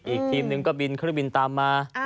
อีกทีมหนึ่งก็บินเครื่องบินตามมา